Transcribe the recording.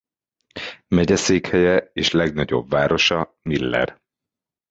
Megyeszékhelye és legnagyobb városa Miller.